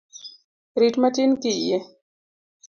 Rit matin kiyie.